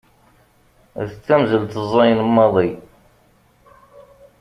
D tamzelt ẓẓayen maḍi.